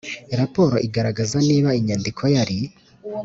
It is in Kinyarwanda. Raporo igaragaza niba inyandiko yari